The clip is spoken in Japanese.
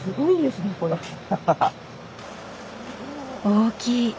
大きい！